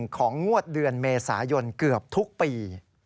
ของงวดเดือนเมษายนเกือบทุกปี